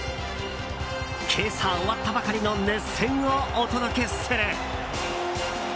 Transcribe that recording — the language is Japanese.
今朝終わったばかりの熱戦をお届けする。